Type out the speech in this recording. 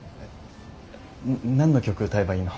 何の曲歌えばいいの？